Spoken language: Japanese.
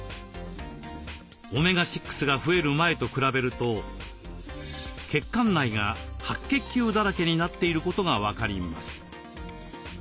オメガ６が増える前と比べると血管内が白血球だらけになっていることが分かります。